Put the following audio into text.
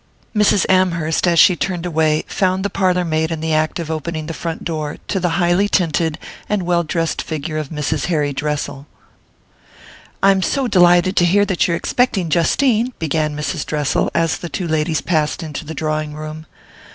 Mrs. Amherst, as she turned away, found the parlour maid in the act of opening the front door to the highly tinted and well dressed figure of Mrs. Harry Dressel. "I'm so delighted to hear that you're expecting Justine," began Mrs. Dressel as the two ladies passed into the drawing room.